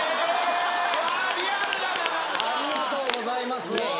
ありがとうございます。